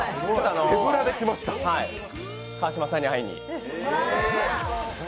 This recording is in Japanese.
川島さんに会いに。